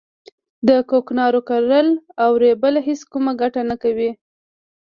د کوکنارو کرل او رېبل هیڅ کومه ګټه نه کوي